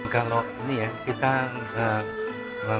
kalau ini ya kita